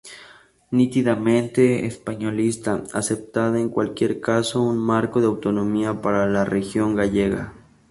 Nítidamente españolista, aceptaba en cualquier caso un marco de autonomía para la región gallega.